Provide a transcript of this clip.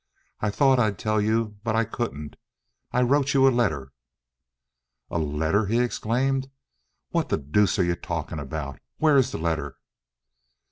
I thought I'd tell you, but I couldn't. I wrote you a letter." "A letter," he exclaimed. "What the deuce are you talking about? Where is the letter?"